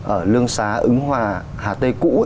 ở lương xá ứng hòa hà tây cũ